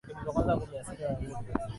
kuwa mikavuMisuli kuishiwa nguvu